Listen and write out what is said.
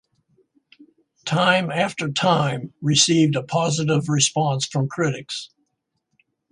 "Time After Time" received a positive response from critics.